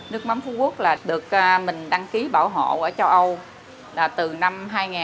nước mắm phú quốc là được mình đăng ký bảo hộ ở châu âu là từ năm hai nghìn